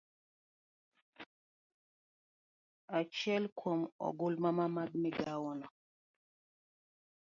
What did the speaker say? Achiel kuom ogulmama mag migawono